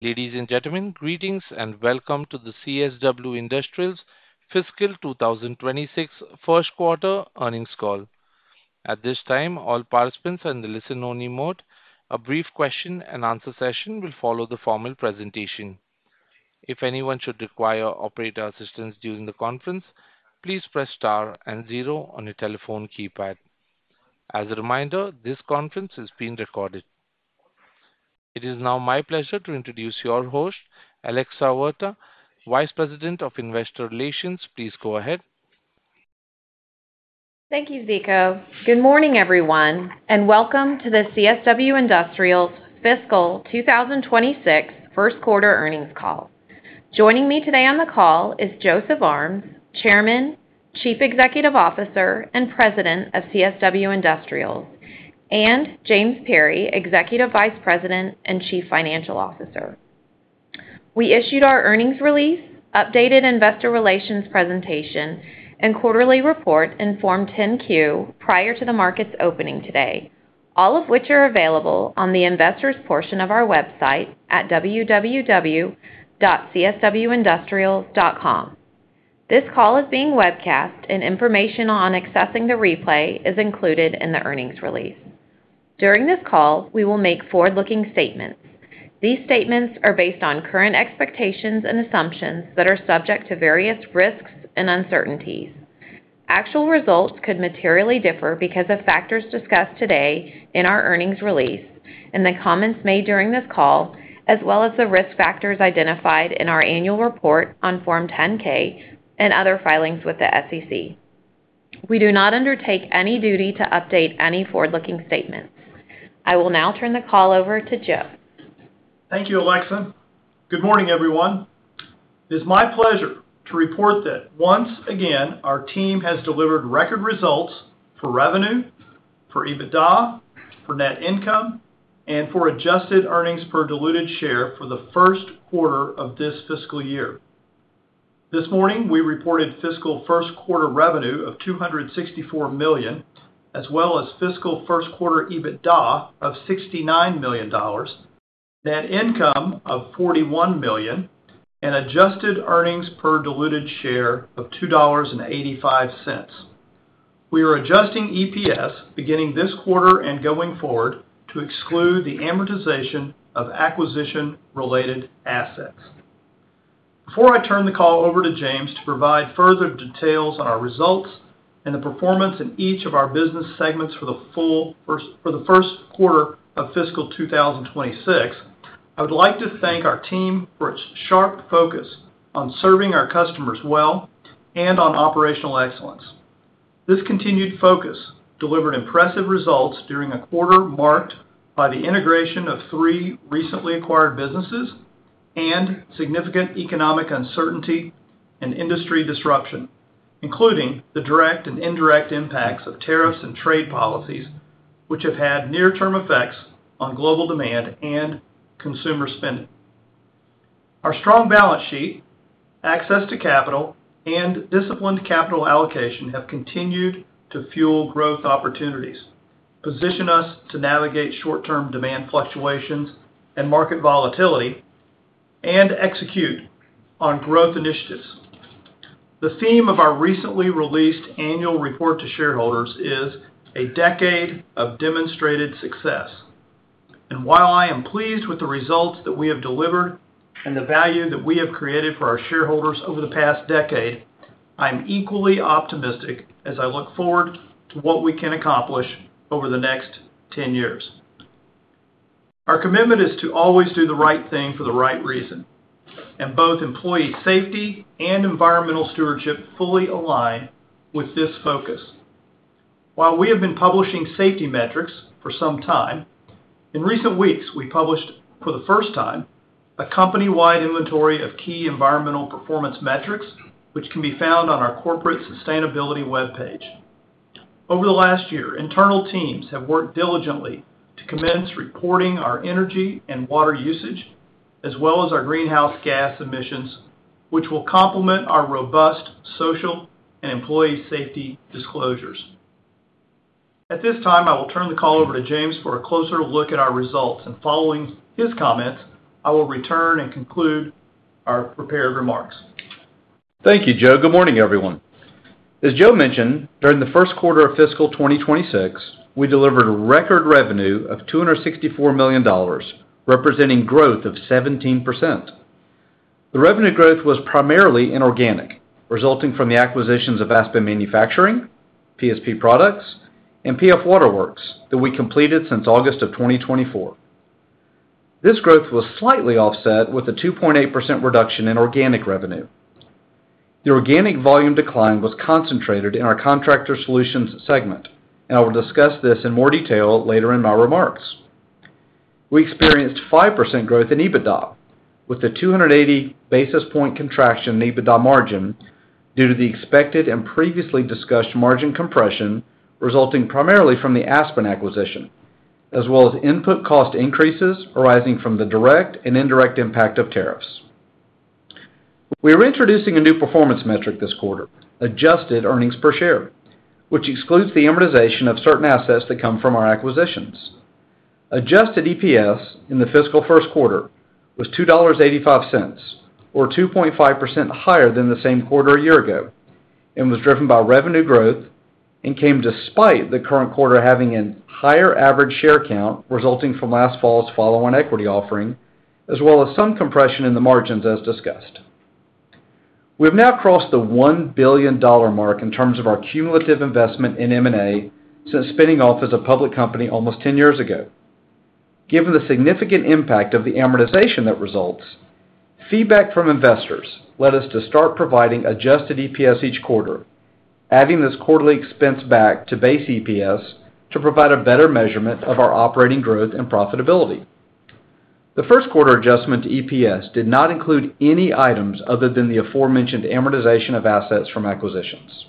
Ladies and gentlemen, greetings and welcome to the CSW Industrials fiscal 2026 first quarter earnings call. At this time all participants are in the listen-only mode. A brief question and answer session will follow the formal presentation. If anyone should require operator assistance during the conference please press star and zero on your telephone keypad. As a reminder this conference is being recorded. It is now my pleasure to introduce your host Alexa Huerta [Vice President of Investor Relations] (CSW Industrials). Please go ahead. Thank you Luk. Good morning everyone and welcome to the CSW Industrials fiscal 2026 first quarter earnings call. Joining me today on the call is Joseph Armes [Chairman, Chief Executive Officer, and President] (CSW Industrials) and James Perry [Executive Vice President and Chief Financial Officer] (CSW Industrials). We issued our earnings release updated investor relations presentation and quarterly report in Form 10-Q prior to the markets opening today all of which are available on the investors portion of our website at www.cswindustrials.com. This call is being webcast and information on accessing the replay is included in the earnings release. During this call we will make forward-looking statements. These statements are based on current expectations and assumptions that are subject to various risks and uncertainties. Actual results could materially differ because of factors discussed today in our earnings release and the comments made during this call as well as the risk factors identified in our annual report on Form 10-K and other filings with the SEC. We do not undertake any duty to update any forward-looking statements. I will now turn the call over to Joe. Thank you Alexa. Good morning everyone. It is my pleasure to report that once again our team has delivered record results for revenue for EBITDA for net income and for adjusted earnings per diluted share for the first quarter of this fiscal year. This morning we reported fiscal first quarter revenue of $264 million as well as fiscal first quarter EBITDA of $69 million net income of $41 million and adjusted earnings per diluted share of $2.85. We are adjusting EPS beginning this quarter and going forward to exclude the amortization of acquisition-related assets. Before I turn the call over to James to provide further details on our results and the performance in each of our business segments for the first quarter of fiscal 2026 I would like to thank our team for its sharp focus on serving our customers well and on operational excellence. This continued focus delivered impressive results during a quarter marked by the integration of three recently acquired businesses and significant economic uncertainty and industry disruption including the direct and indirect impacts of tariffs and trade policies which have had near-term effects on global demand and consumer spending. Our strong balance sheet access to capital and disciplined capital allocation have continued to fuel growth opportunities position us to navigate short-term demand fluctuations and market volatility and execute on growth initiatives. The theme of our recently released annual report to shareholders is a decade of demonstrated success. While I am pleased with the results that we have delivered and the value that we have created for our shareholders over the past decade I am equally optimistic as I look forward to what we can accomplish over the next 10 years. Our commitment is to always do the right thing for the right reason and both employee safety and environmental stewardship fully align with this focus. While we have been publishing safety metrics for some time in recent weeks we published for the first time a company-wide inventory of key environmental performance metrics which can be found on our corporate sustainability web page. Over the last year internal teams have worked diligently to commence reporting our energy and water usage as well as our greenhouse gas emissions which will complement our robust social and employee safety disclosures. At this time I will turn the call over to James for a closer look at our results and following his comments I will return and conclude our prepared remarks. Thank you Joe. Good morning everyone. As Joe mentioned during the first quarter of fiscal 2026 we delivered a record revenue of $264 million representing growth of 17%. The revenue growth was primarily inorganic resulting from the acquisitions of Aspen Manufacturing PSP Products and PF Waterworks that we completed since August of 2024. This growth was slightly offset with a 2.8% reduction in organic revenue. The organic volume decline was concentrated in our contractor solutions segment and I will discuss this in more detail later in my remarks. We experienced 5% growth in EBITDA with a 280 basis point contraction in EBITDA margin due to the expected and previously discussed margin compression resulting primarily from the Aspen Manufacturing acquisition as well as input cost increases arising from the direct and indirect impact of tariffs. We are introducing a new performance metric this quarter adjusted EPS which excludes the amortization of certain assets that come from our acquisitions. Adjusted EPS in the fiscal first quarter was $2.85 or 2.5% higher than the same quarter a year ago and was driven by revenue growth and came despite the current quarter having a higher average share count resulting from last falls follow-on equity offering as well as some compression in the margins as discussed. We have now crossed the $1 billion mark in terms of our cumulative investment in M&A since spinning off as a public company almost 10 years ago. Given the significant impact of the amortization that results feedback from investors led us to start providing adjusted EPS each quarter adding this quarterly expense back to base EPS to provide a better measurement of our operating growth and profitability. The first quarter adjustment to EPS did not include any items other than the aforementioned amortization of assets from acquisitions.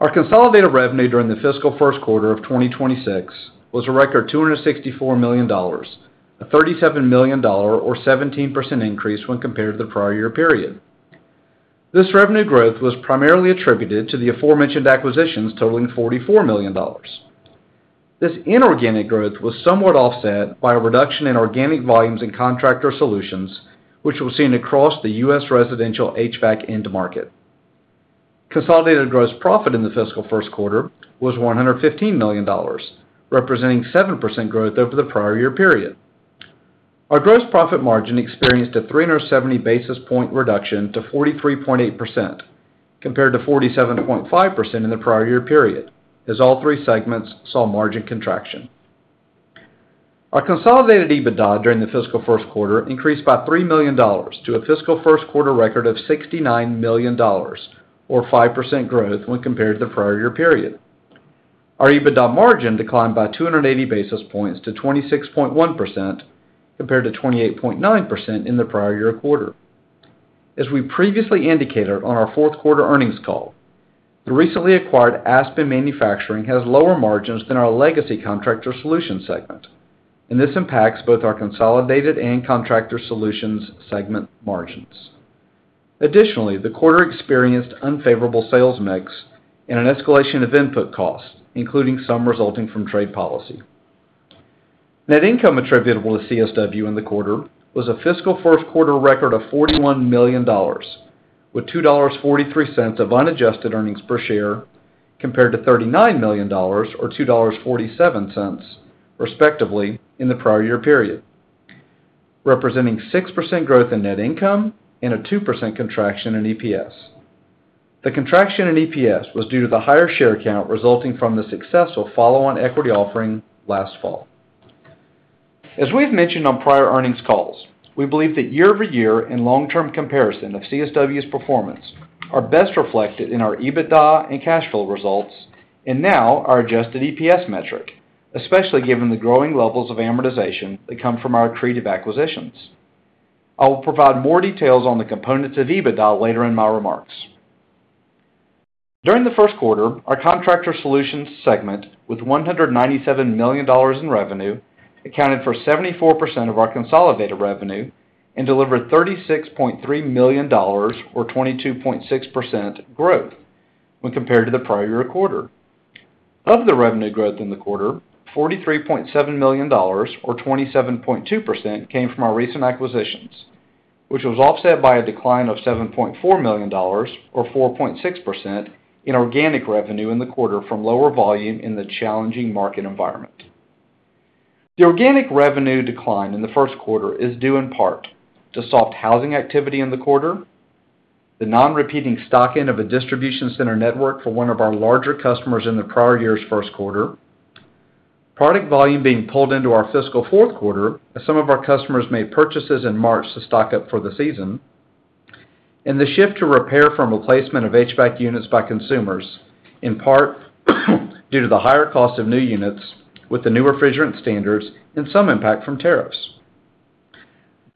Our consolidated revenue during the fiscal first quarter of 2026 was a record $264 million a $37 million or 17% increase when compared to the prior year period. This revenue growth was primarily attributed to the aforementioned acquisitions totaling $44 million. This inorganic growth was somewhat offset by a reduction in organic volumes in contractor solutions which was seen across the U.S. residential HVAC end market. Consolidated gross profit in the fiscal first quarter was $115 million representing 7% growth over the prior year period. Our gross profit margin experienced a 370 basis point reduction to 43.8% compared to 47.5% in the prior year period as all three segments saw margin contraction. Our consolidated EBITDA during the fiscal first quarter increased by $3 million to a fiscal first quarter record of $69 million or 5% growth when compared to the prior year period. Our EBITDA margin declined by 280 basis points to 26.1% compared to 28.9% in the prior year quarter. As we previously indicated on our fourth quarter earnings call the recently acquired Aspen Manufacturing has lower margins than our legacy contractor solutions segment and this impacts both our consolidated and contractor solutions segment margins. Additionally the quarter experienced unfavorable sales mix and an escalation of input costs including some resulting from trade policy. Net income attributable to CSW Industrials in the quarter was a fiscal first quarter record of $41 million with $2.43 of unadjusted earnings per share compared to $39 million or $2.47 respectively in the prior year period representing 6% growth in net income and a 2% contraction in EPS. The contraction in EPS was due to the higher share count resulting from the successful follow-on equity offering last fall. As we have mentioned on prior earnings calls we believe that year-over-year and long-term comparison of CSW Industrials performance are best reflected in our EBITDA and cash flow results and now our adjusted EPS metric especially given the growing levels of amortization that come from our accretive acquisitions. I will provide more details on the components of EBITDA later in my remarks. During the first quarter our contractor solutions segment with $197 million in revenue accounted for 74% of our consolidated revenue and delivered $36.3 million or 22.6% growth when compared to the prior year quarter. Of the revenue growth in the quarter $43.7 million or 27.2% came from our recent acquisitions which was offset by a decline of $7.4 million or 4.6% in organic revenue in the quarter from lower volume in the challenging market environment. The organic revenue decline in the first quarter is due in part to soft housing activity in the quarter the non-repeating stock-in of a distribution center network for one of our larger customers in the prior years first quarter product volume being pulled into our fiscal fourth quarter as some of our customers made purchases in March to stock up for the season and the shift to repair from replacement of HVAC units by consumers in part due to the higher cost of new units with the new refrigerant standards and some impact from tariffs.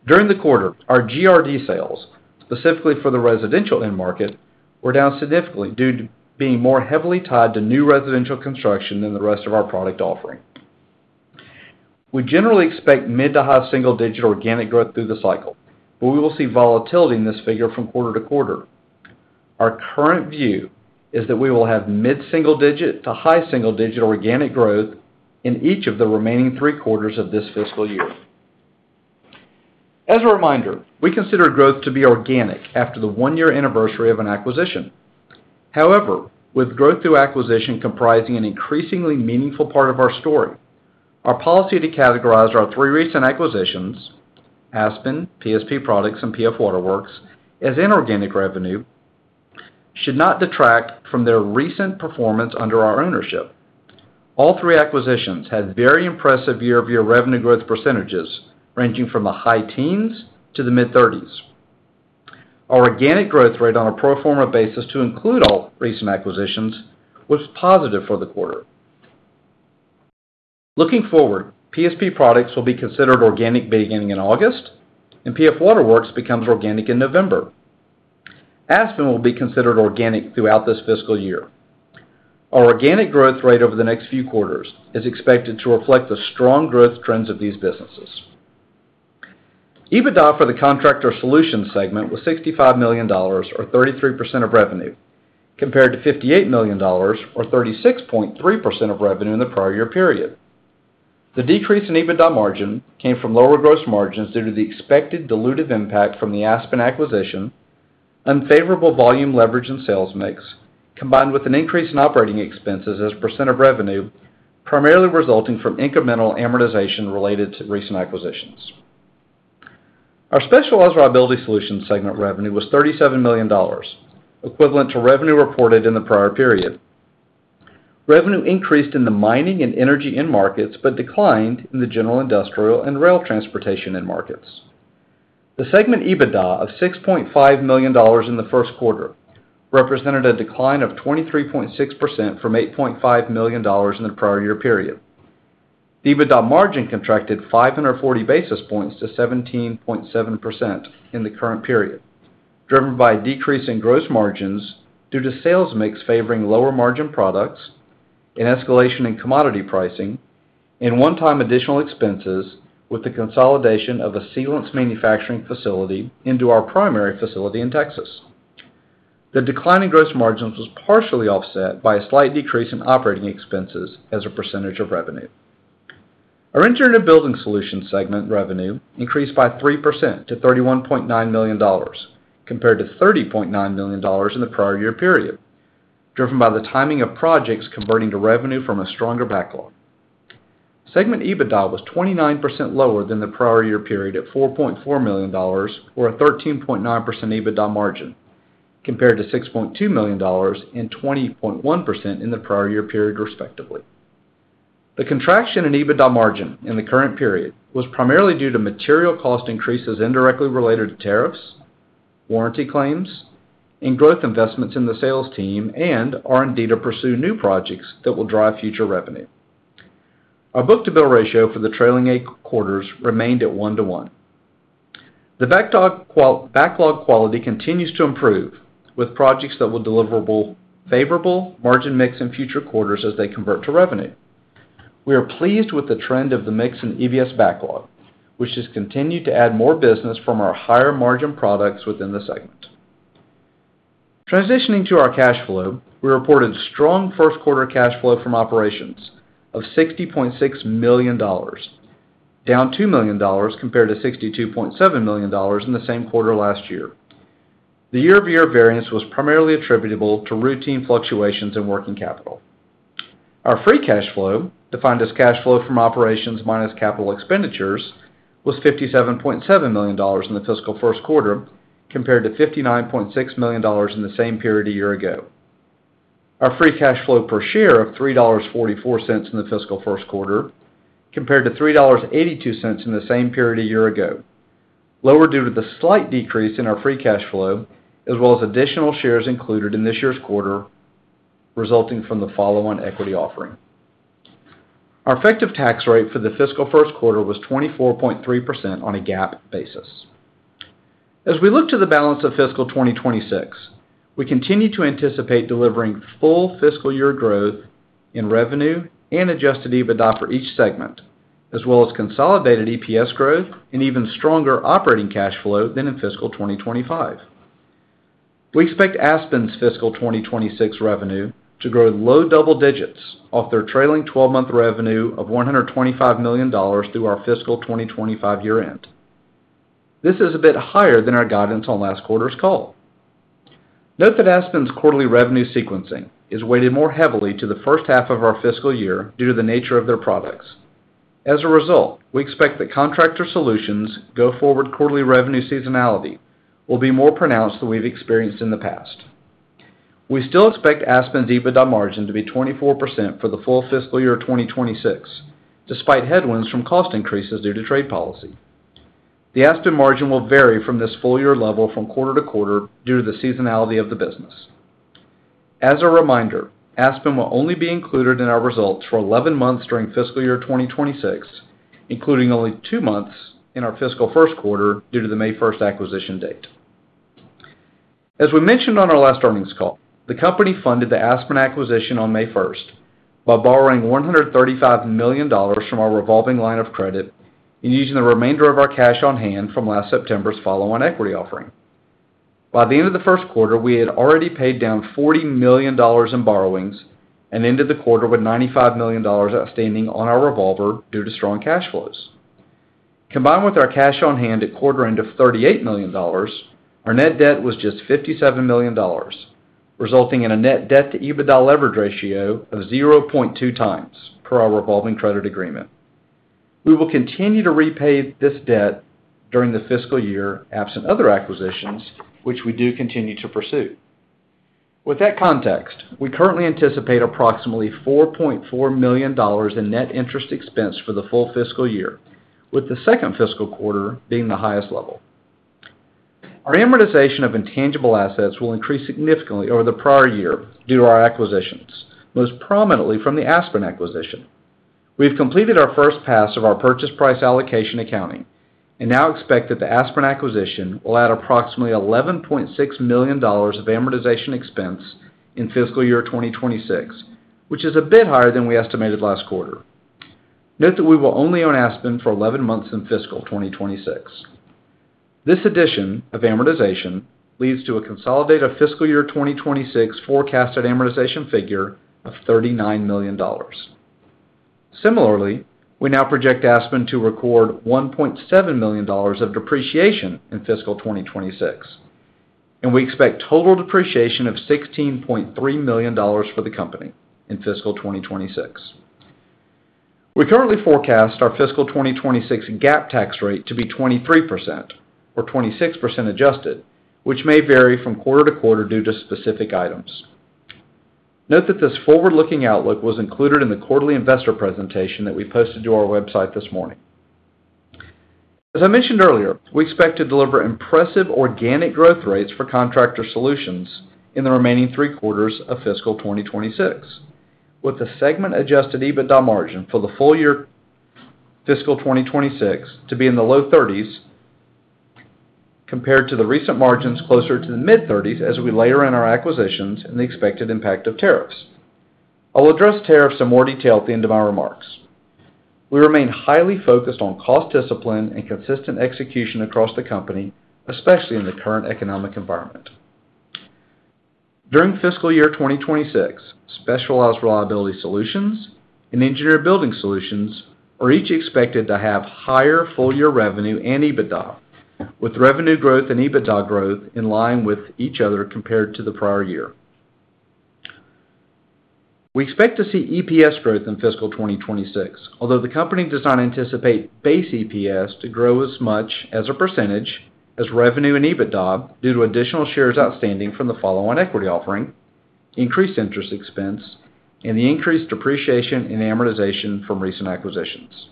During the quarter our GRD sales specifically for the residential end market were down significantly due to being more heavily tied to new residential construction than the rest of our product offering. We generally expect mid to high single-digit organic growth through the cycle but we will see volatility in this figure from quarter to quarter. Our current view is that we will have mid-single-digit to high single-digit organic growth in each of the remaining three quarters of this fiscal year. As a reminder we consider growth to be organic after the one-year anniversary of an acquisition. However with growth through acquisition comprising an increasingly meaningful part of our story our policy to categorize our three recent acquisitions Aspen Manufacturing PSP Products and PF Waterworks as inorganic revenue should not detract from their recent performance under our ownership. All three acquisitions had very impressive year-over-year revenue growth percentages ranging from the high teens to the mid-30s. Our organic growth rate on a pro forma basis to include all recent acquisitions was positive for the quarter. Looking forward PSP Products will be considered organic beginning in August and PF Waterworks becomes organic in November. Aspen Manufacturing will be considered organic throughout this fiscal year. Our organic growth rate over the next few quarters is expected to reflect the strong growth trends of these businesses. EBITDA for the contractor solutions segment was $65 million or 33% of revenue compared to $58 million or 36.3% of revenue in the prior year period. The decrease in EBITDA margin came from lower gross margins due to the expected dilutive impact from the Aspen Manufacturing acquisition unfavorable volume leverage and sales mix combined with an increase in operating expenses as percent of revenue primarily resulting from incremental amortization related to recent acquisitions. Our specialized reliability solutions segment revenue was $37 million equivalent to revenue reported in the prior period. Revenue increased in the mining and energy end markets but declined in the general industrial and rail transportation end markets. The segment EBITDA of $6.5 million in the first quarter represented a decline of 23.6% from $8.5 million in the prior year period. The EBITDA margin contracted 540 basis points to 17.7% in the current period driven by a decrease in gross margins due to sales mix favoring lower margin products an escalation in commodity inflation and one-time additional expenses with the consolidation of a sealants manufacturing facility into our primary facility in Texas. The decline in gross margins was partially offset by a slight decrease in operating expenses as a percentage of revenue. Our engineered building solutions segment revenue increased by 3% to $31.9 million compared to $30.9 million in the prior year period driven by the timing of projects converting to revenue from a stronger backlog. Segment EBITDA was 29% lower than the prior year period at $4.4 million or a 13.9% EBITDA margin compared to $6.2 million and 20.1% in the prior year period respectively. The contraction in EBITDA margin in the current period was primarily due to material cost increases indirectly related to tariffs warranty claims and growth investments in the sales team and R&D to pursue new projects that will drive future revenue. Our book-to-bill ratio for the trailing eight quarters remained at one-to-one. The backlog quality continues to improve with projects that will deliver favorable margin mix in future quarters as they convert to revenue. We are pleased with the trend of the mix in EBS backlog which has continued to add more business from our higher margin products within the segment. Transitioning to our cash flow we reported strong first quarter cash flow from operations of $60.6 million down $2 million compared to $62.7 million in the same quarter last year. The year-over-year variance was primarily attributable to routine fluctuations in working capital. Our free cash flow defined as cash flow from operations minus capital expenditures was $57.7 million in the fiscal first quarter compared to $59.6 million in the same period a year ago. Our free cash flow per share of $3.44 in the fiscal first quarter compared to $3.82 in the same period a year ago lower due to the slight decrease in our free cash flow as well as additional shares included in this years quarter resulting from the follow-on equity offering. Our effective tax rate for the fiscal first quarter was 24.3% on a GAAP basis. As we look to the balance of fiscal 2026 we continue to anticipate delivering full fiscal year growth in revenue and adjusted EBITDA for each segment as well as consolidated EPS growth and even stronger operating cash flow than in fiscal 2025. We expect Aspens fiscal 2026 revenue to grow low double digits off their trailing 12-month revenue of $125 million through our fiscal 2025 year-end. This is a bit higher than our guidance on last quarters call. Note that Aspens quarterly revenue sequencing is weighted more heavily to the first half of our fiscal year due to the nature of their products. As a result we expect that contractor solutions go-forward quarterly revenue seasonality will be more pronounced than weve experienced in the past. We still expect Aspens EBITDA margin to be 24% for the full fiscal year 2026 despite headwinds from cost increases due to trade policy. The Aspen margin will vary from this full year level from quarter to quarter due to the seasonality of the business. As a reminder Aspen will only be included in our results for 11 months during fiscal year 2026 including only two months in our fiscal first quarter due to the May 1 acquisition date. As we mentioned on our last earnings call the company funded the Aspen acquisition on May 1 by borrowing $135 million from our revolving line of credit and using the remainder of our cash on hand from last Septembers follow-on equity offering. By the end of the first quarter we had already paid down $40 million in borrowings and ended the quarter with $95 million outstanding on our revolver due to strong cash flows. Combined with our cash on hand at quarter end of $38 million our net debt was just $57 million resulting in a net debt-to-EBITDA leverage ratio of 0.2 times per our revolving credit agreement. We will continue to repay this debt during the fiscal year absent other acquisitions which we do continue to pursue. With that context we currently anticipate approximately $4.4 million in net interest expense for the full fiscal year with the second fiscal quarter being the highest level. Our amortization of intangible assets will increase significantly over the prior year due to our acquisitions most prominently from the Aspen acquisition. We have completed our first pass of our purchase price allocation accounting and now expect that the Aspen acquisition will add approximately $11.6 million of amortization expense in fiscal year 2026 which is a bit higher than we estimated last quarter. Note that we will only own Aspen for 11 months in fiscal 2026. This addition of amortization leads to a consolidated fiscal year 2026 forecasted amortization figure of $39 million. Similarly we now project Aspen to record $1.7 million of depreciation in fiscal 2026 and we expect total depreciation of $16.3 million for the company in fiscal 2026. We currently forecast our fiscal 2026 GAAP tax rate to be 23% or 26% adjusted which may vary from quarter to quarter due to specific items. Note that this forward-looking outlook was included in the quarterly investor presentation that we posted to our website this morning. As I mentioned earlier we expect to deliver impressive organic growth rates for contractor solutions in the remaining three quarters of fiscal 2026 with the segment adjusted EBITDA margin for the full year fiscal 2026 to be in the low 30s compared to the recent margins closer to the mid-30s as we layer in our acquisitions and the expected impact of tariffs. I will address tariffs in more detail at the end of my remarks. We remain highly focused on cost discipline and consistent execution across the company especially in the current economic environment. During fiscal year 2026 specialized reliability solutions and engineered building solutions are each expected to have higher full-year revenue and EBITDA with revenue growth and EBITDA growth in line with each other compared to the prior year. We expect to see EPS growth in fiscal 2026 although the company does not anticipate base EPS to grow as much as a percentage as revenue and EBITDA due to additional shares outstanding from the follow-on equity offering increased interest expense and the increased depreciation and amortization from recent acquisitions.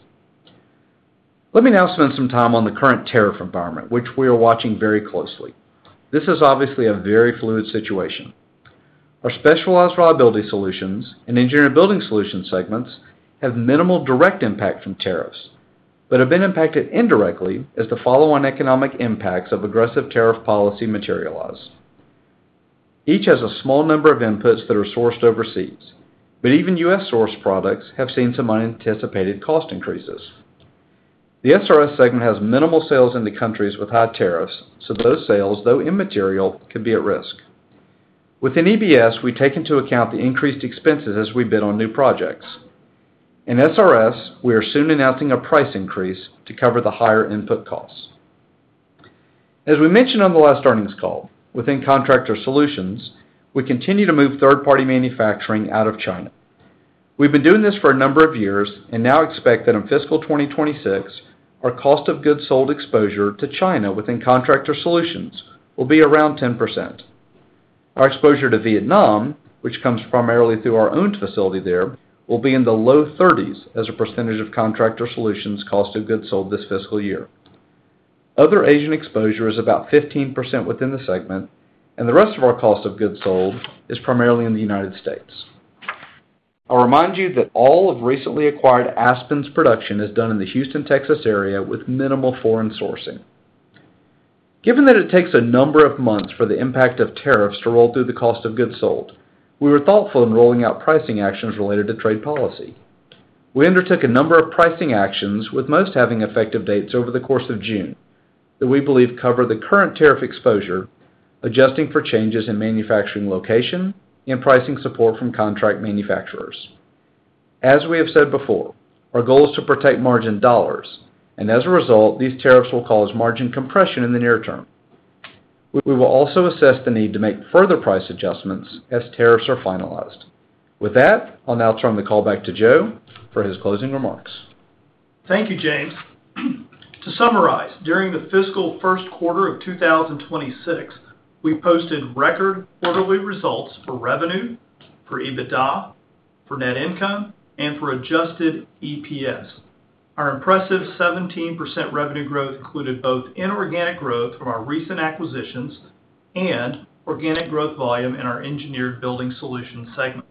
Let me now spend some time on the current tariff environment which we are watching very closely. This is obviously a very fluid situation. Our specialized reliability solutions and engineered building solutions segments have minimal direct impact from tariffs but have been impacted indirectly as the follow-on economic impacts of aggressive tariff policy materialize. Each has a small number of inputs that are sourced overseas but even U.S.-sourced products have seen some unanticipated cost increases. The SRS segment has minimal sales in the countries with high tariffs so those sales though immaterial could be at risk. Within EBS we take into account the increased expenses as we bid on new projects. In SRS we are soon announcing a price increase to cover the higher input costs. As we mentioned on the last earnings call within contractor solutions we continue to move third-party manufacturing out of China. We have been doing this for a number of years and now expect that in fiscal 2026 our cost of goods sold exposure to China within contractor solutions will be around 10%. Our exposure to Vietnam which comes primarily through our owned facility there will be in the low 30% as a percentage of contractor solutions cost of goods sold this fiscal year. Other Asian exposure is about 15% within the segment and the rest of our cost of goods sold is primarily in the United States. I will remind you that all of recently acquired Aspen Manufacturings production is done in the Houston Texas area with minimal foreign sourcing. Given that it takes a number of months for the impact of tariffs to roll through the cost of goods sold we were thoughtful in rolling out pricing actions related to trade policy. We undertook a number of pricing actions with most having effective dates over the course of June that we believe cover the current tariff exposure adjusting for changes in manufacturing location and pricing support from contract manufacturers. As we have said before our goal is to protect margin dollars and as a result these tariffs will cause margin compression in the near term. We will also assess the need to make further price adjustments as tariffs are finalized. With that I will now turn the call back to Joe for his closing remarks. Thank you James. To summarize during the fiscal first quarter of 2026 we posted record quarterly results for revenue for EBITDA for net income and for adjusted EPS. Our impressive 17% revenue growth included both inorganic growth from our recent acquisitions and organic growth volume in our engineered building solutions segment.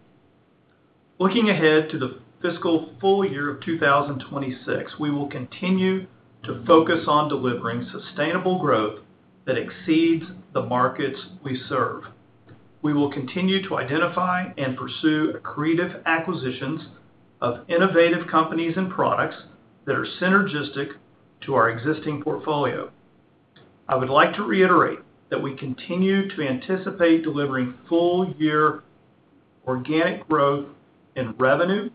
Looking ahead to the fiscal full year of 2026 we will continue to focus on delivering sustainable growth that exceeds the markets we serve. We will continue to identify and pursue accretive acquisitions of innovative companies and products that are synergistic to our existing portfolio. I would like to reiterate that we continue to anticipate delivering full-year organic growth in revenue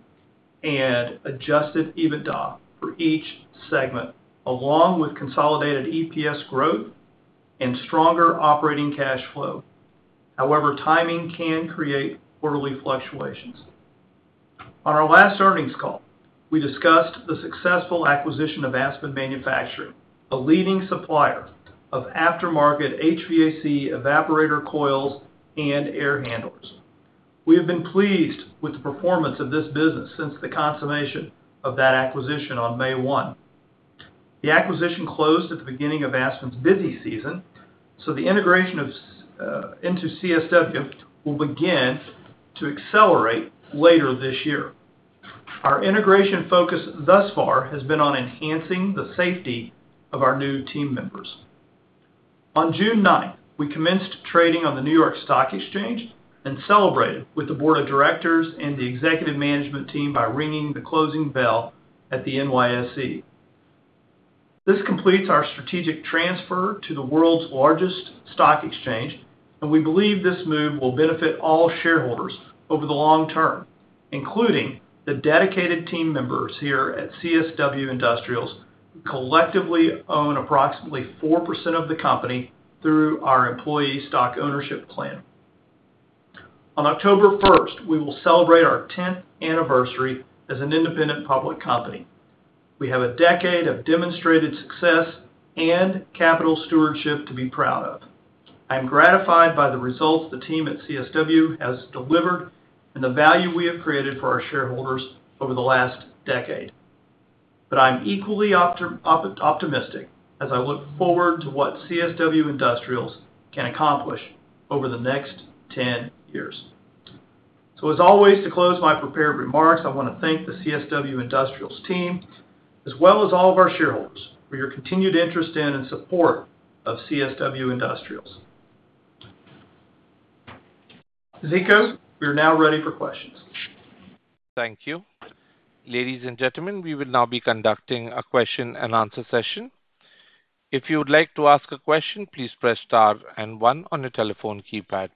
and adjusted EBITDA for each segment along with consolidated EPS growth and stronger operating cash flow. However timing can create quarterly fluctuations. On our last earnings call, we discussed the successful acquisition of Aspen Manufacturing, a leading supplier of aftermarket HVACR evaporator coils and air handlers. We have been pleased with the performance of this business since the consummation of that acquisition on May 1. The acquisition closed at the beginning of Aspen's busy season, so the integration into CSW Industrials will begin to accelerate later this year. Our integration focus thus far has been on enhancing the safety of our new team members. On June 9, we commenced trading on the New York Stock Exchange and celebrated with the board of directors and the executive management team by ringing the closing bell at the NYSE. This completes our strategic transfer to the worlds largest stock exchange and we believe this move will benefit all shareholders over the long term including the dedicated team members here at CSW Industrials who collectively own approximately 4% of the company through our employee stock ownership plan. On October 1 we will celebrate our 10th anniversary as an independent public company. We have a decade of demonstrated success and capital stewardship to be proud of. I am gratified by the results the team at CSW Industrials has delivered and the value we have created for our shareholders over the last decade. I am equally optimistic as I look forward to what CSW Industrials can accomplish over the next 10 years. As always to close my prepared remarks I want to thank the CSW Industrials team as well as all of our shareholders for your continued interest in and support of CSW Industrials. Zeko we are now ready for questions. Thank you. Ladies and gentlemen we will now be conducting a question and answer session. If you would like to ask a question please press star and one on your telephone keypad.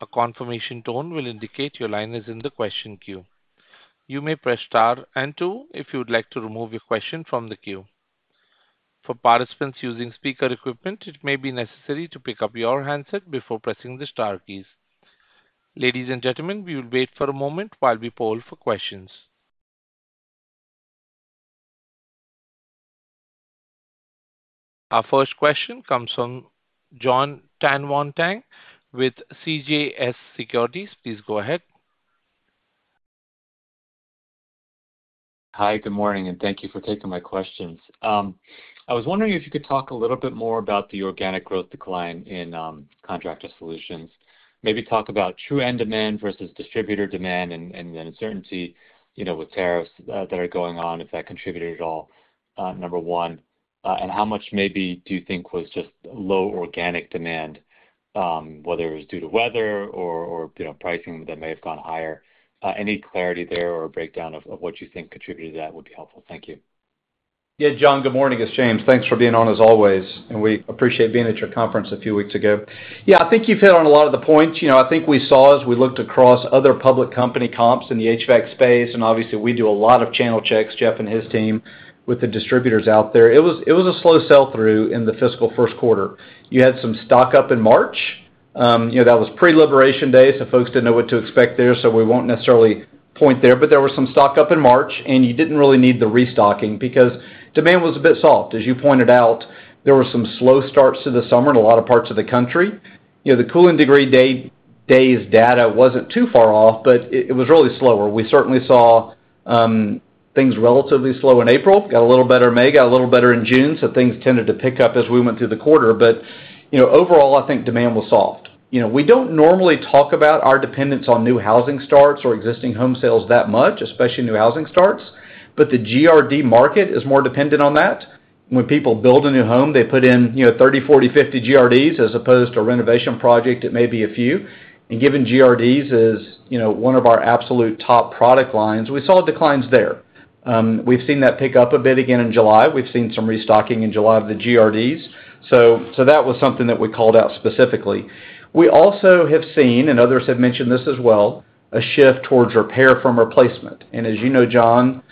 A confirmation tone will indicate your line is in the question queue. You may press star and two if you would like to remove your question from the queue. For participants using speaker equipment it may be necessary to pick up your handset before pressing the star keys. Ladies and gentlemen we will wait for a moment while we poll for questions. Our first question comes from Jon Tanwanteng with CJS Securities. Please go ahead. Hi good morning and thank you for taking my questions. I was wondering if you could talk a little bit more about the organic growth decline in contractor solutions. Maybe talk about true end demand versus distributor demand and uncertainty with tariffs that are going on if that contributed at all number one and how much maybe do you think was just low organic demand whether it was due to weather or pricing that may have gone higher. Any clarity there or a breakdown of what you think contributed to that would be helpful. Thank you. Yeah Jon good morning. Its James. Thanks for being on as always and we appreciate being at your conference a few weeks ago. I think you have hit on a lot of the points. I think we saw as we looked across other public company comps in the HVACR space and obviously we do a lot of channel checks Jeff and his team with the distributors out there. It was a slow sell-through in the fiscal first quarter. You had some stock up in March that was pre-liberation day so folks did not know what to expect there so we will not necessarily point there but there was some stock up in March and you did not really need the restocking because demand was a bit soft. As you pointed out there were some slow starts to the summer in a lot of parts of the country. The cooling degree days data was not too far off but it was really slower. We certainly saw things relatively slow in April got a little better in May got a little better in June so things tended to pick up as we went through the quarter but overall I think demand was soft. We do not normally talk about our dependence on new housing starts or existing home sales that much especially new housing starts but the GRD market is more dependent on that. When people build a new home they put in 30 40 50 GRDs as opposed to a renovation project which may be a few and given GRDs is one of our absolute top product lines we saw declines there. We have seen that pick up a bit again in July. We have seen some restocking in July of the GRDs so that was something that we called out specifically. We also have seen and others have mentioned this as well a shift towards repair from replacement and as you know Jon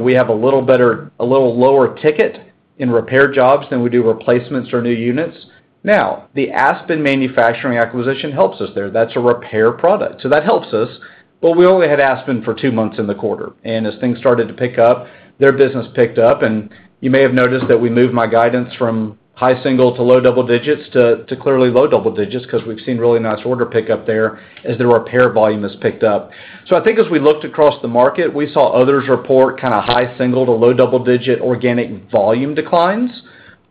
we have a little better a little lower ticket in repair jobs than we do replacements or new units. Now the Aspen Manufacturing acquisition helps us there. That is a repair product so that helps us but we only had Aspen for two months in the quarter and as things started to pick up their business picked up and you may have noticed that we moved my guidance from high single to low double digits to clearly low double digits because we have seen really nice order pickup there as the repair volume has picked up. I think as we looked across the market we saw others report kind of high single to low double digit organic volume declines.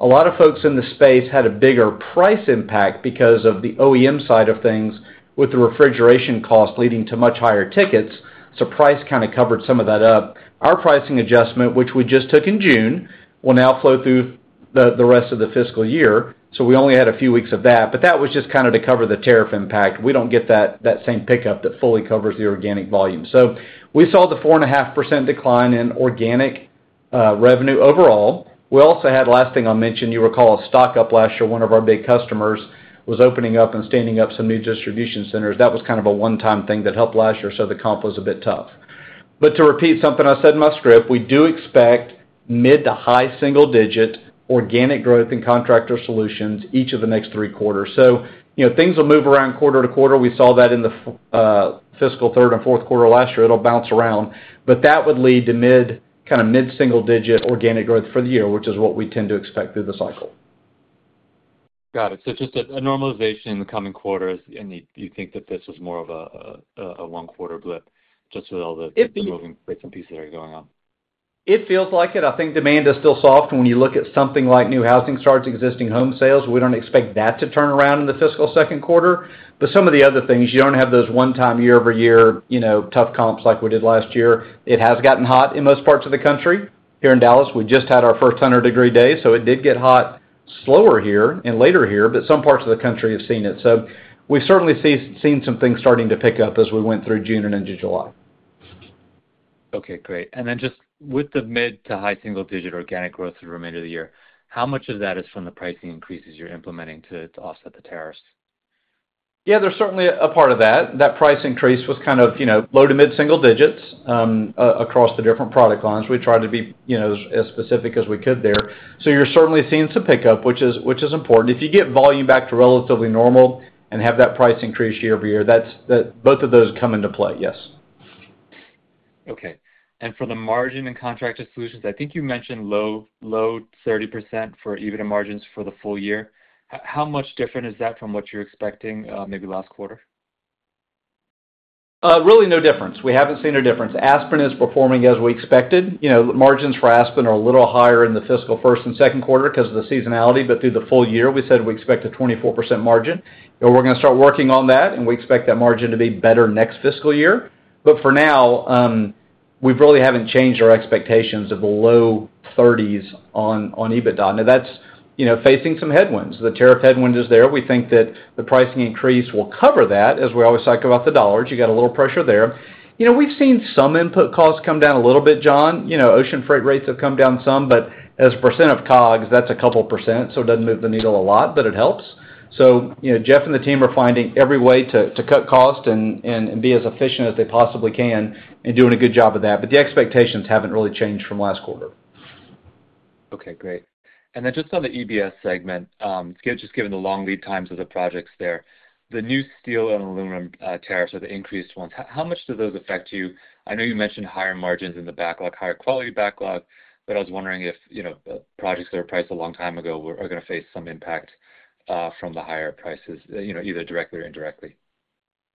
A lot of folks in the space had a bigger price impact because of the OEM side of things with the refrigeration cost leading to much higher tickets so price kind of covered some of that up. Our pricing adjustment which we just took in June will now flow through the rest of the fiscal year. We only had a few weeks of that but that was just kind of to cover the tariff impact. We do not get that same pickup that fully covers the organic volume. We saw the 4.5% decline in organic revenue overall. Last thing I will mention you recall a stock up last year. One of our big customers was opening up and standing up some new distribution centers. That was kind of a one-time thing that helped last year so the comp was a bit tough. To repeat something I said in my script we do expect mid to high single digit organic growth in contractor solutions each of the next three quarters. Things will move around quarter to quarter. We saw that in the fiscal third and fourth quarter last year. It will bounce around but that would lead to kind of mid-single digit organic growth for the year which is what we tend to expect through the cycle. Got it just a normalization in the coming quarters and you think that this was more of a one-quarter blip with all the moving bits and pieces that are going on. It feels like it. I think demand is still soft. When you look at something like new housing starts existing home sales we do not expect that to turn around in the fiscal second quarter but some of the other things you do not have those one-time year-over-year tough comps like we did last year. It has gotten hot in most parts of the country. Here in Dallas we just had our first 100-degree day. It did get hot slower here and later here but some parts of the country have seen it. We have certainly seen some things starting to pick up as we went through June and into July. Okay great. With the mid to high single digit organic growth for the remainder of the year how much of that is from the pricing increases you are implementing to offset the tariffs? Yeah there is certainly a part of that. That price increase was kind of low to mid-single digits across the different product lines. We tried to be as specific as we could there. You are certainly seeing some pickup which is important. If you get volume back to relatively normal and have that price increase year over year both of those come into play yes. Okay for the margin in contractor solutions I think you mentioned low 30% for EBITDA margins for the full year. How much different is that from what you are expecting maybe last quarter? Really no difference. We have not seen a difference. Aspen is performing as we expected. Margins for Aspen are a little higher in the fiscal first and second quarter because of the seasonality but through the full year we said we expect a 24% margin. We are going to start working on that and we expect that margin to be better next fiscal year. For now we really have not changed our expectations of the low 30s on EBITDA. Now that is facing some headwinds. The tariff headwind is there. We think that the pricing increase will cover that. As we always talk about the dollars you have a little pressure there. We have seen some input costs come down a little bit Jon. Ocean freight rates have come down some but as a percent of COGS that is a couple percent so it does not move the needle a lot but it helps. Jeff and the team are finding every way to cut cost and be as efficient as they possibly can and doing a good job of that but the expectations have not really changed from last quarter. Okay great. On the EBS segment just given the long lead times of the projects there the new steel and aluminum tariffs are the increased ones. How much do those affect you? I know you mentioned higher margins in the backlog higher quality backlog but I was wondering if projects that were priced a long time ago are going to face some impact from the higher prices either directly or indirectly.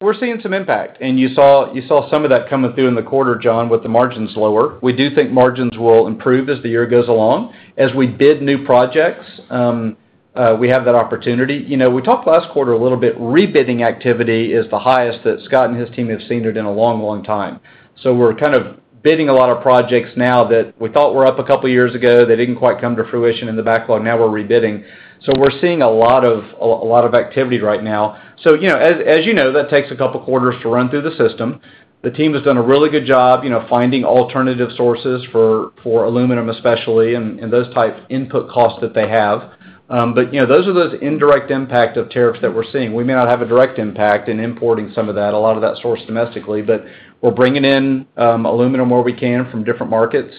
We are seeing some impact and you saw some of that coming through in the quarter Jon with the margins lower. We do think margins will improve as the year goes along. As we bid new projects we have that opportunity. We talked last quarter a little bit rebidding activity is the highest that Scott and his team have seen it in a long long time. We are kind of bidding a lot of projects now that we thought were up a couple of years ago they did not quite come to fruition in the backlog and now we are rebidding. We are seeing a lot of activity right now. As you know that takes a couple of quarters to run through the system. The team has done a really good job finding alternative sources for aluminum especially and those types of input costs that they have. Those are those indirect impacts of tariffs that we are seeing. We may not have a direct impact in importing some of that a lot of that source domestically but we are bringing in aluminum where we can from different markets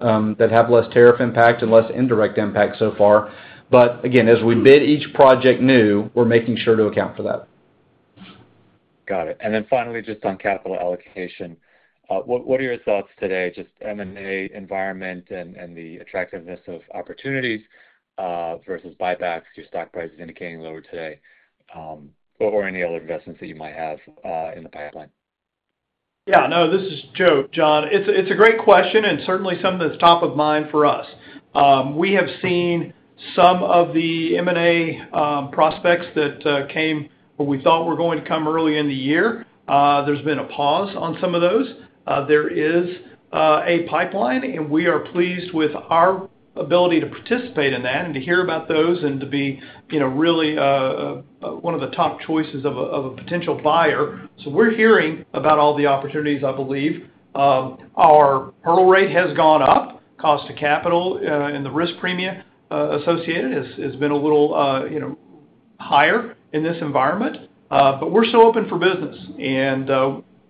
that have less tariff impact and less indirect impact so far. Again as we bid each project new we are making sure to account for that. Got it. Finally just on capital allocation what are your thoughts today just M&A environment and the attractiveness of opportunities versus buybacks through stock prices indicating lower today or any other investments that you might have in the pipeline? Yeah, no, this is Joe, Jon. It’s a great question and certainly something that’s top of mind for us. We have seen some of the M&A prospects that came, or we thought were going to come, early in the year. There’s been a pause on some of those. There is a pipeline, and we are pleased with our ability to participate in that and to hear about those and to be, you know, really one of the top choices of a potential buyer. We’re hearing about all the opportunities, I believe. Our hurdle rate has gone up. Cost of capital and the risk premium associated have been a little, you know, higher in this environment. We’re still open for business and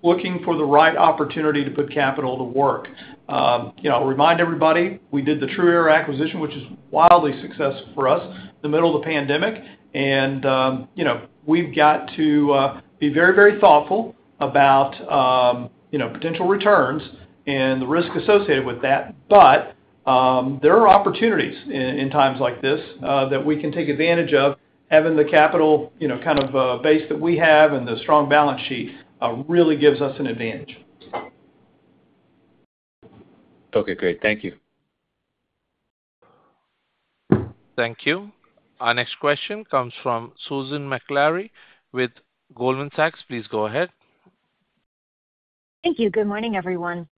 looking for the right opportunity to put capital to work. I’ll remind everybody we did the TrueAir acquisition, which is wildly successful for us in the middle of the pandemic. We’ve got to be very, very thoughtful about, you know, potential returns and the risk associated with that. There are opportunities in times like this that we can take advantage of. Having the capital, you know, kind of base that we have and the strong balance sheet really gives us an advantage. Okay, great. Thank you. Thank you. Our next question comes from Susan Maklari with Goldman Sachs. Please go ahead. Thank you. Good morning, everyone.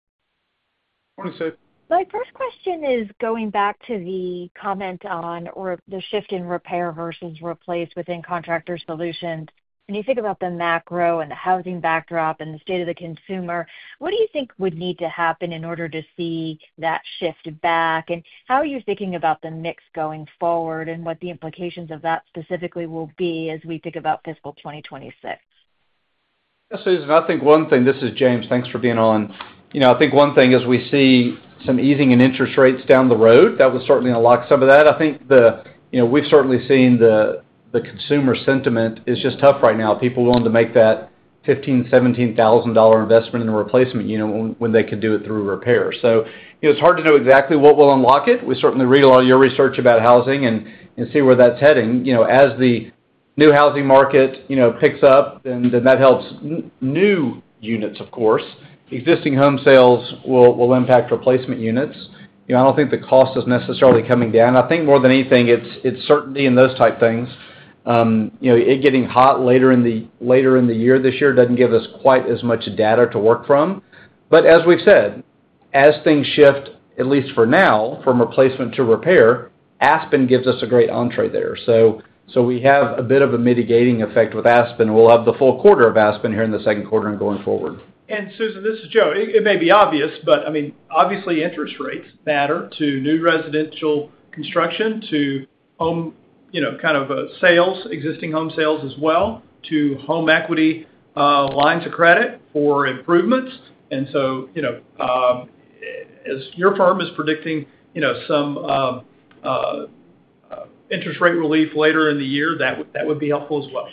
Morning, sir. My first question is going back to the comment on the shift in repair versus replace within contractor solutions. When you think about the macro and the housing backdrop and the state of the consumer, what do you think would need to happen in order to see that shift back? How are you thinking about the mix going forward and what the implications of that specifically will be as we think about fiscal 2026? Yeah, Susan, I think one thing, this is James, thanks for being on. I think one thing is we see some easing in interest rates down the road. That would certainly unlock some of that. We’ve certainly seen the consumer sentiment is just tough right now. People want to make that $15,000, $17,000 investment in a replacement unit when they could do it through repair. It’s hard to know exactly what will unlock it. We certainly read a lot of your research about housing and see where that’s heading. As the new housing market picks up, then that helps new units, of course. Existing home sales will impact replacement units. I don’t think the cost is necessarily coming down. I think more than anything, it’s certainly in those type things. It getting hot later in the year this year doesn’t give us quite as much data to work from. As we've said, as things shift, at least for now, from replacement to repair, Aspen gives us a great entree there. We have a bit of a mitigating effect with Aspen, and we'll have the full quarter of Aspen here in the second quarter and going forward. Susan, this is Joe. It may be obvious, but obviously interest rates matter to new residential construction, to home sales, existing home sales as well, to home equity lines of credit for improvements. As your firm is predicting some interest rate relief later in the year, that would be helpful as well.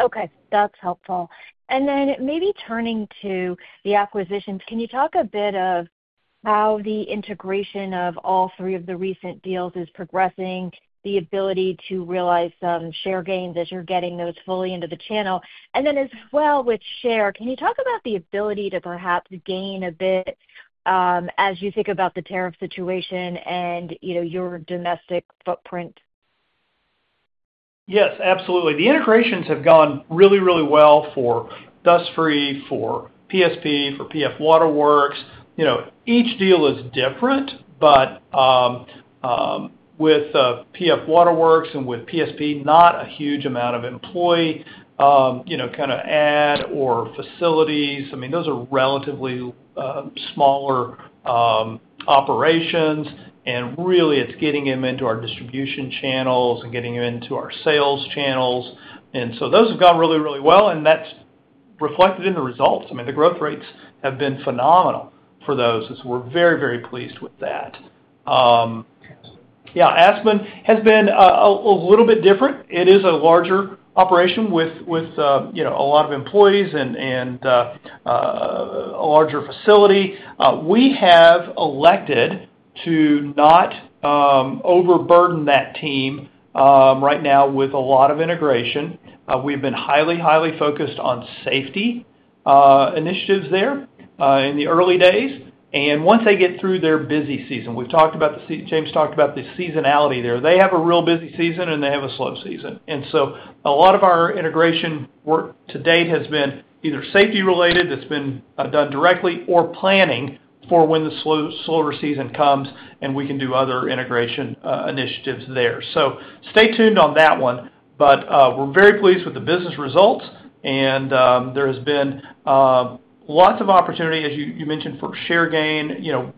Okay. That's helpful. Maybe turning to the acquisitions, can you talk a bit about how the integration of all three of the recent deals is progressing, the ability to realize some share gains as you're getting those fully into the channel, and then as well with share? Can you talk about the ability to perhaps gain a bit as you think about the tariff situation and your domestic footprint? Yes, absolutely. The integrations have gone really, really well for Dust Free, for PSP Products, for PF Waterworks. Each deal is different, but with PF Waterworks and with PSP Products, not a huge amount of employee, you know, kind of add or facilities. I mean, those are relatively smaller operations, and really it's getting them into our distribution channels and getting them into our sales channels. Those have gone really, really well, and that's reflected in the results. The growth rates have been phenomenal for those, so we're very, very pleased with that. Yeah, Aspen Manufacturing has been a little bit different. It is a larger operation with, you know, a lot of employees and a larger facility. We have elected to not overburden that team right now with a lot of integration. We've been highly, highly focused on safety initiatives there in the early days, and once they get through their busy season. We've talked about the, James talked about the seasonality there. They have a real busy season, and they have a slow season. A lot of our integration work to date has been either safety-related that's been done directly or planning for when the slower season comes, and we can do other integration initiatives there. Stay tuned on that one, but we're very pleased with the business results, and there has been lots of opportunity, as you mentioned, for share gain, you know,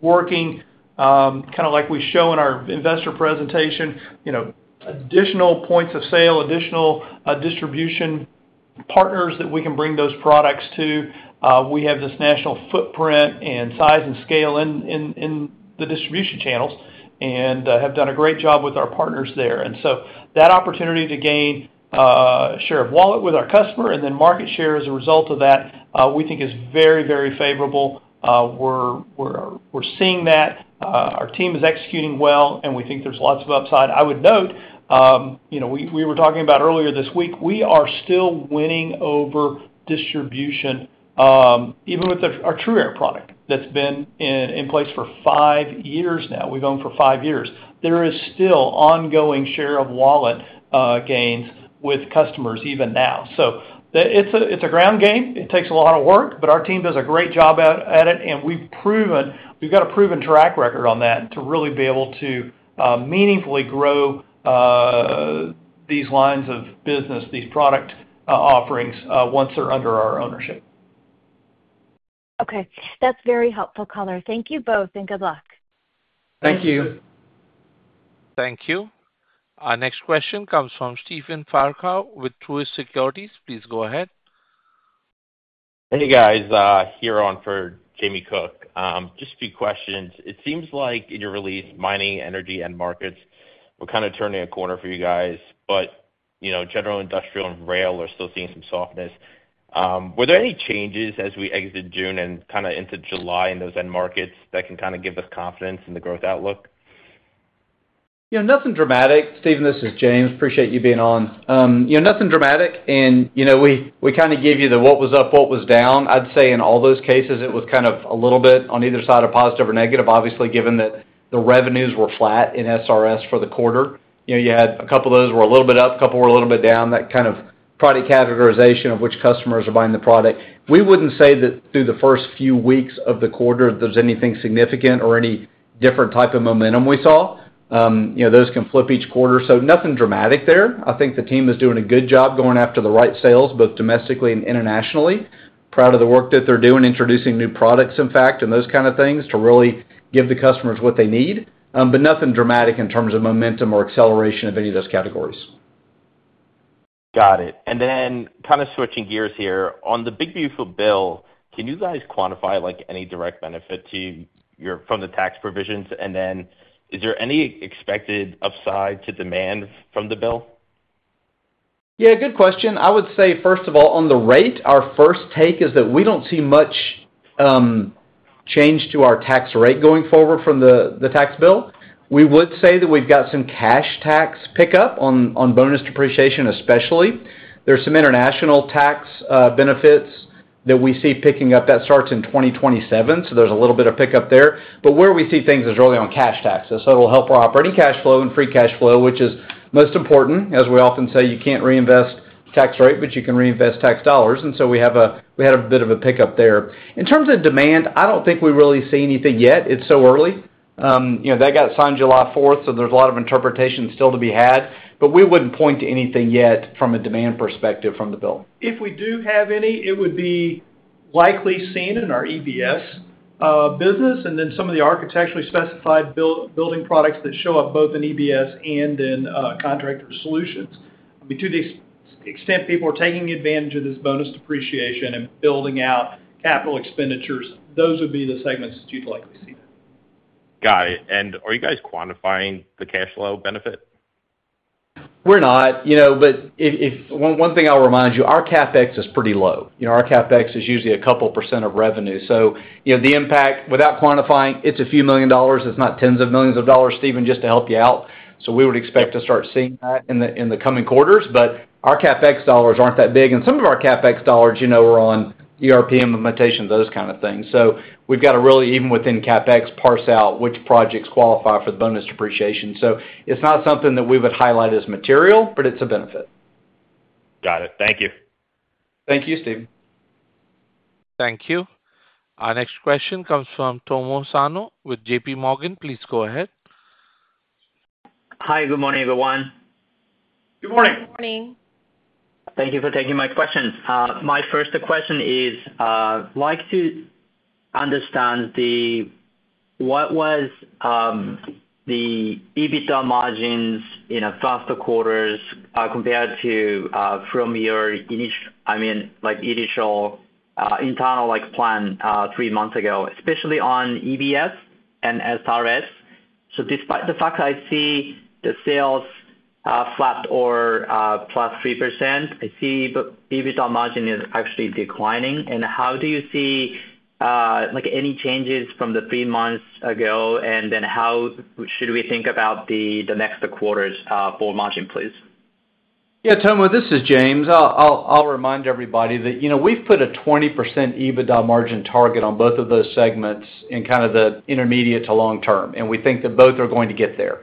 working kind of like we show in our investor presentation, you know, additional points of sale, additional distribution partners that we can bring those products to. We have this national footprint and size and scale in the distribution channels and have done a great job with our partners there. That opportunity to gain share of wallet with our customer and then market share as a result of that, we think is very, very favorable. We're seeing that our team is executing well, and we think there's lots of upside. I would note, you know, we were talking about earlier this week, we are still winning over distribution, even with our TruAire product that's been in place for five years now. We've owned for five years. There is still ongoing share of wallet gains with customers even now. It's a ground game. It takes a lot of work, but our team does a great job at it, and we've proven, we've got a proven track record on that to really be able to meaningfully grow these lines of business, these product offerings once they're under our ownership. Okay, that's very helpful. Thank you both, and good luck. Thank you. Thank you. Our next question comes from Stephen Farkaw with Truist Securities. Please go ahead. Hey guys, here on for Jamie Cook. Just a few questions. It seems like in your release, mining, energy, and markets were kind of turning a corner for you guys, but you know, general industrial and rail are still seeing some softness. Were there any changes as we exit June and kind of into July in those end markets that can kind of give us confidence in the growth outlook? Nothing dramatic. Stephen, this is James. Appreciate you being on. Nothing dramatic, and we kind of gave you what was up, what was down. I'd say in all those cases, it was a little bit on either side of positive or negative, obviously, given that the revenues were flat in SRS for the quarter. You had a couple of those were a little bit up, a couple were a little bit down, that kind of product categorization of which customers are buying the product. We wouldn't say that through the first few weeks of the quarter there's anything significant or any different type of momentum we saw. Those can flip each quarter, so nothing dramatic there. I think the team is doing a good job going after the right sales, both domestically and internationally. Proud of the work that they're doing, introducing new products, in fact, and those kind of things to really give the customers what they need, but nothing dramatic in terms of momentum or acceleration of any of those categories. Got it. Kind of switching gears here, on the big beautiful bill, can you guys quantify like any direct benefit to you from the tax provisions, and is there any expected upside to demand from the bill? Yeah, good question. I would say, first of all, on the rate, our first take is that we don't see much change to our tax rate going forward from the tax bill. We would say that we've got some cash tax pickup on bonus depreciation, especially. There's some international tax benefits that we see picking up that starts in 2027, so there's a little bit of pickup there. Where we see things is really on cash taxes. It’ll help our operating cash flow and free cash flow, which is most important. As we often say, you can't reinvest tax rate, but you can reinvest tax dollars. We had a bit of a pickup there. In terms of demand, I don't think we really see anything yet. It’s so early. You know, that got signed July 4th, so there's a lot of interpretation still to be had, but we wouldn't point to anything yet from a demand perspective from the bill. If we do have any, it would be likely seen in our EBS business, and then some of the architecturally specified building products that show up both in EBS and in contractor solutions. To the extent people are taking advantage of this bonus depreciation and building out capital expenditures, those would be the segments that you'd likely see there. Got it. Are you guys quantifying the cash flow benefit? We’re not, you know, if one thing I’ll remind you, our CapEx is pretty low. Our CapEx is usually a couple % of revenue. The impact, without quantifying, it’s a few million dollars. It’s not tens of millions of dollars, Stephen, just to help you out. We would expect to start seeing that in the coming quarters, but our CapEx dollars aren’t that big, and some of our CapEx dollars are on ERP implementation, those kind of things. We’ve got to really, even within CapEx, parse out which projects qualify for the bonus depreciation. It’s not something that we would highlight as material, but it’s a benefit. Got it. Thank you. Thank you. Thank you. Our next question comes from Tomo Sano with J.P. Morgan. Please go ahead. Hi, good morning everyone. Good morning. Morning. Thank you for taking my question. My first question is, I'd like to understand what was the EBITDA margins in the first quarter compared to your initial internal plan three months ago, especially on EBS and SRS. Despite the fact that I see the sales flat or plus 3%, I see EBITDA margin is actually declining. How do you see any changes from the three months ago, and then how should we think about the next quarter's full margin, please? Yeah, Tomo, this is James. I’ll remind everybody that, you know, we’ve put a 20% EBITDA margin target on both of those segments in kind of the intermediate to long term, and we think that both are going to get there.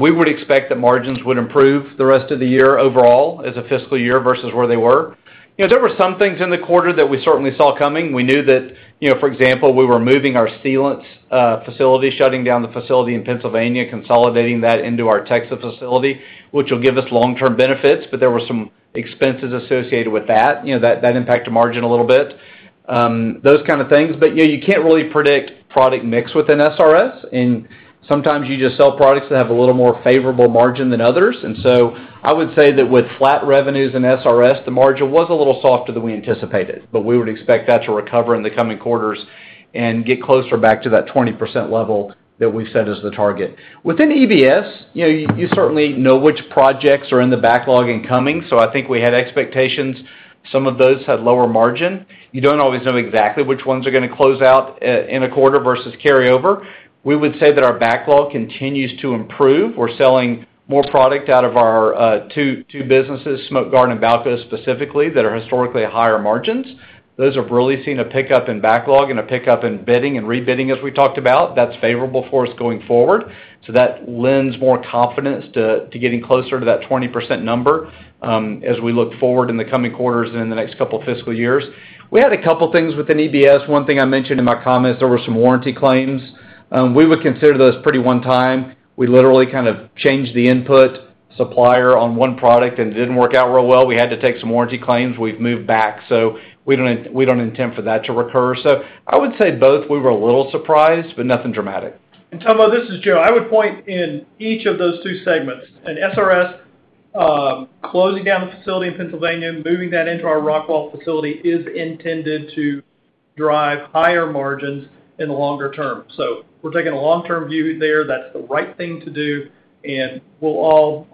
We would expect that margins would improve the rest of the year overall as a fiscal year versus where they were. There were some things in the quarter that we certainly saw coming. We knew that, for example, we were moving our sealants facility, shutting down the facility in Pennsylvania, consolidating that into our Texas facility, which will give us long-term benefits, but there were some expenses associated with that. That impacted margin a little bit, those kind of things. You can’t really predict product mix within SRS, and sometimes you just sell products that have a little more favorable margin than others. I would say that with flat revenues in SRS, the margin was a little softer than we anticipated, but we would expect that to recover in the coming quarters and get closer back to that 20% level that we’ve set as the target. Within EBS, you certainly know which projects are in the backlog and coming, so I think we had expectations. Some of those had lower margin. You don’t always know exactly which ones are going to close out in a quarter versus carryover. We would say that our backlog continues to improve. We’re selling more product out of our two businesses, Smoke Guard and Balco specifically, that are historically at higher margins. Those have really seen a pickup in backlog and a pickup in bidding and rebidding, as we talked about. That’s favorable for us going forward. That lends more confidence to getting closer to that 20% number as we look forward in the coming quarters and in the next couple of fiscal years. We had a couple of things within EBS. One thing I mentioned in my comments, there were some warranty claims. We would consider those pretty one-time. We literally kind of changed the input supplier on one product, and it didn’t work out real well. We had to take some warranty claims. We’ve moved back. We don’t intend for that to recur. I would say both, we were a little surprised, but nothing dramatic. Tomo, this is Joe. I would point in each of those two segments. In SRS, closing down the facility in Pennsylvania and moving that into our Rockwell facility is intended to drive higher margins in the longer term. We are taking a long-term view there. That’s the right thing to do, and we’ll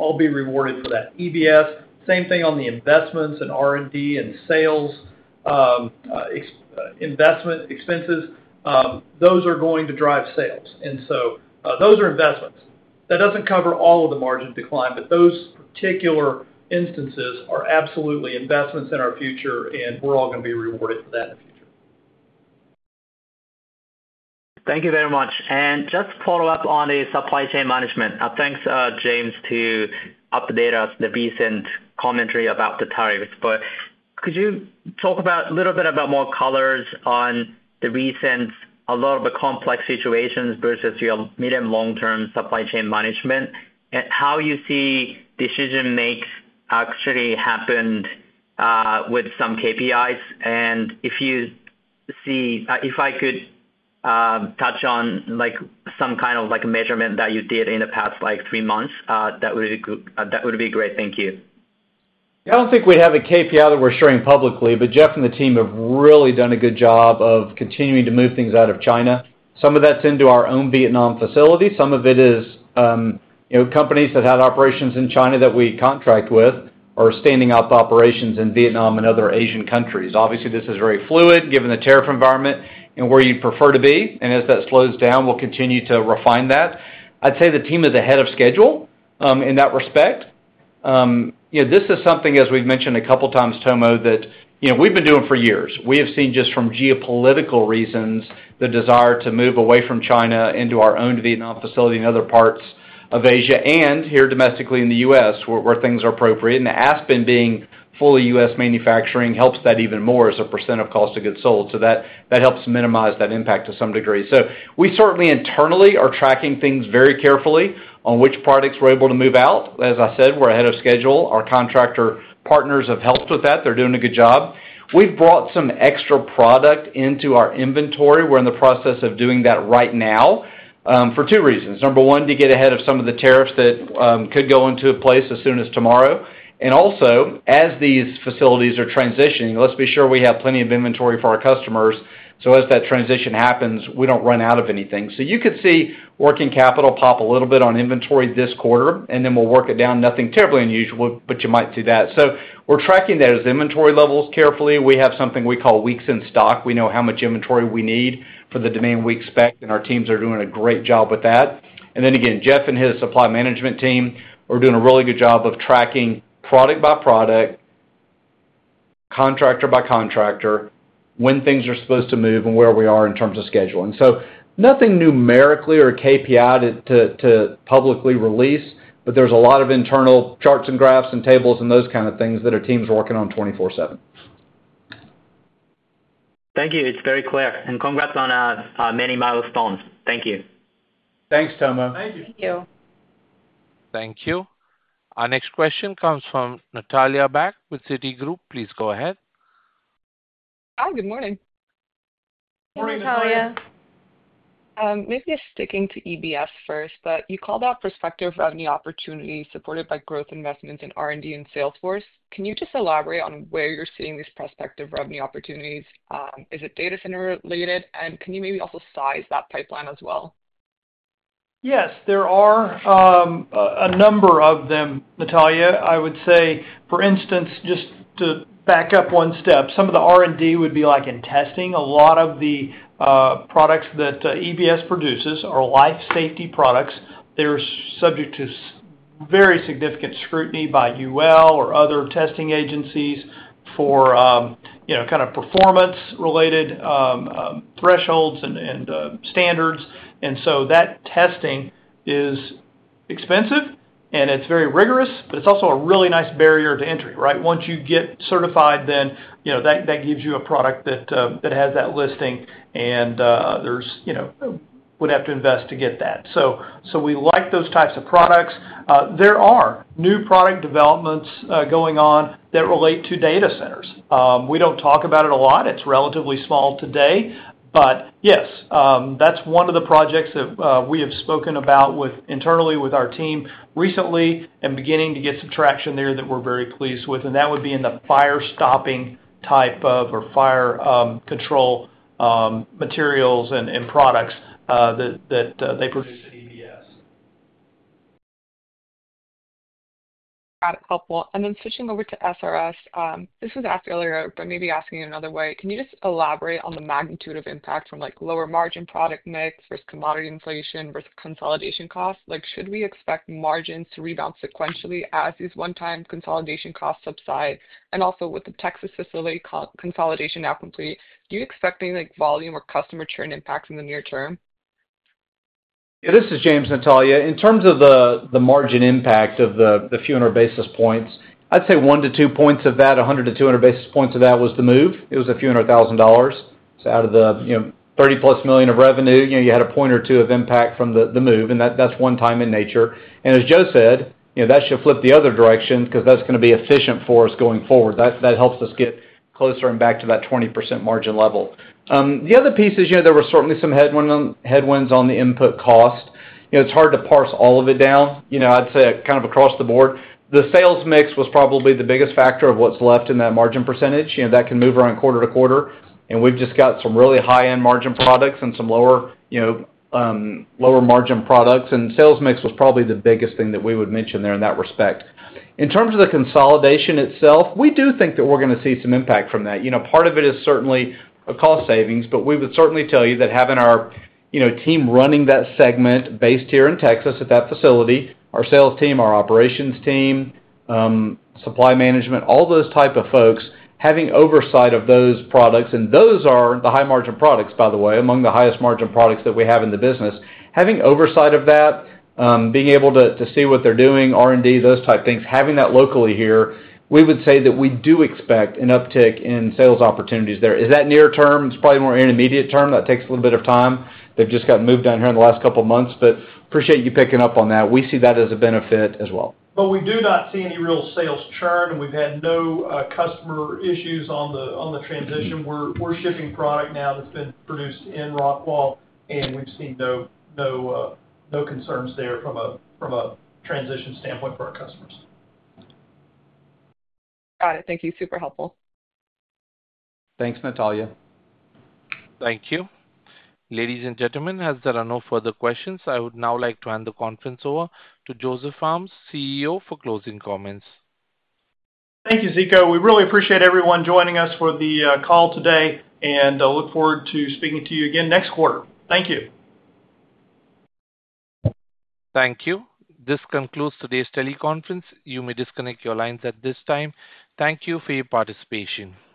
all be rewarded for that. In EBS, the same thing on the investments in R&D and sales investment expenses. Those are going to drive sales, and those are investments. That doesn’t cover all of the margin decline, but those particular instances are absolutely investments in our future, and we’re all going to be rewarded for that in the future. Thank you very much. Just to follow up on the supply chain management, thanks, James, to update us on the recent commentary about the tariffs. Could you talk a little bit about more colors on the recent, a little bit complex situations versus your medium-long-term supply chain management and how you see decision-makes actually happen with some KPIs? If you see, if I could touch on like some kind of like a measurement that you did in the past three months, that would be great. Thank you. Yeah, I don’t think we have a KPI that we’re sharing publicly, but Jeff and the team have really done a good job of continuing to move things out of China. Some of that’s into our own Vietnam facility. Some of it is, you know, companies that had operations in China that we contract with are standing up operations in Vietnam and other Asian countries. Obviously, this is very fluid given the tariff environment and where you’d prefer to be. As that slows down, we’ll continue to refine that. I’d say the team is ahead of schedule in that respect. This is something, as we’ve mentioned a couple of times, Tomo, that we’ve been doing for years. We have seen just from geopolitical reasons the desire to move away from China into our own Vietnam facility and other parts of Asia, and here domestically in the U.S. where things are appropriate. Aspen being fully U.S. manufacturing helps that even more as a % of cost of goods sold. That helps minimize that impact to some degree. We certainly internally are tracking things very carefully on which products we’re able to move out. As I said, we’re ahead of schedule. Our contractor partners have helped with that. They’re doing a good job. We’ve brought some extra product into our inventory. We’re in the process of doing that right now for two reasons. Number one, to get ahead of some of the tariffs that could go into place as soon as tomorrow. Also, as these facilities are transitioning, let’s be sure we have plenty of inventory for our customers so as that transition happens, we don’t run out of anything. You could see working capital pop a little bit on inventory this quarter, and then we’ll work it down. Nothing terribly unusual, but you might see that. We’re tracking that as inventory levels carefully. We have something we call weeks in stock. We know how much inventory we need for the demand we expect, and our teams are doing a great job with that. Jeff and his supply management team are doing a really good job of tracking product by product, contractor by contractor, when things are supposed to move, and where we are in terms of scheduling. Nothing numerically or KPI to publicly release, but there’s a lot of internal charts and graphs and tables and those kind of things that our team’s working on 24/7. Thank you. It's very clear. Congrats on many milestones. Thank you. Thanks, Tomo. Thank you. Thank you. Thank you. Our next question comes from Natalia Bak with Citigroup. Please go ahead. Hi, good morning. Morning, Natalia. Morning. Maybe just sticking to EBS first, you called out prospective revenue opportunities supported by growth investments in R&D and Salesforce. Can you just elaborate on where you're seeing these prospective revenue opportunities? Is it data-center-related? Can you maybe also size that pipeline as well? Yes, there are a number of them, Natalia. I would say, for instance, just to back up one step, some of the R&D would be like in testing. A lot of the products that EBS produces are life-safety products. They’re subject to very significant scrutiny by UL or other testing agencies for performance-related thresholds and standards. That testing is expensive, and it’s very rigorous, but it’s also a really nice barrier to entry, right? Once you get certified, then that gives you a product that has that listing, and you would have to invest to get that. We like those types of products. There are new product developments going on that relate to data centers. We don’t talk about it a lot. It’s relatively small today, but yes, that’s one of the projects that we have spoken about internally with our team recently and beginning to get some traction there that we’re very pleased with. That would be in the fire-stopping type of, or fire-control materials and products that they produce at EBS. Got it. Helpful. Switching over to SRS, this was asked earlier, but maybe asking in another way. Can you just elaborate on the magnitude of impact from lower-margin product mix versus commodity inflation versus consolidation costs? Should we expect margins to rebound sequentially as these one-time consolidation costs subside? Also, with the Texas facility consolidation now complete, do you expect any volume or customer churn impacts in the near term? Yeah, this is James, Natalia. In terms of the margin impact of the few hundred basis points, I’d say 1 to 2 points of that, 100 to 200 basis points of that, was the move. It was a few hundred thousand dollars. Out of the $30 million plus of revenue, you had a point or two of impact from the move, and that’s one-time in nature. As Joe said, that should flip the other direction because that’s going to be efficient for us going forward. That helps us get closer and back to that 20% margin level. The other piece is, there were certainly some headwinds on the input cost. It’s hard to parse all of it down. I’d say kind of across the board, the sales mix was probably the biggest factor of what’s left in that margin percentage. That can move around quarter to quarter, and we’ve just got some really high-end margin products and some lower-margin products, and sales mix was probably the biggest thing that we would mention there in that respect. In terms of the consolidation itself, we do think that we’re going to see some impact from that. Part of it is certainly a cost savings, but we would certainly tell you that having our team running that segment based here in Texas at that facility—our sales team, our operations team, supply management, all those types of folks—having oversight of those products, and those are the high-margin products, by the way, among the highest-margin products that we have in the business. Having oversight of that, being able to see what they’re doing, R&D, those types of things, having that locally here, we would say that we do expect an uptick in sales opportunities there. Is that near term? It’s probably more intermediate term. That takes a little bit of time. They’ve just gotten moved down here in the last couple of months, but appreciate you picking up on that. We see that as a benefit as well. We do not see any real sales churn, and we’ve had no customer issues on the transition. We’re shipping product now that’s been produced in Houston, and we’ve seen no concerns there from a transition standpoint for our customers. Got it. Thank you. Super helpful. Thanks, Natalia. Thank you. Ladies and gentlemen, as there are no further questions, I would now like to hand the conference over to Joseph Armes, CEO, for closing comments. Thank you, Zeko. We really appreciate everyone joining us for the call today, and I look forward to speaking to you again next quarter. Thank you. Thank you Thank you. This concludes today’s teleconference. You may disconnect your lines at this time. Thank you for your participation.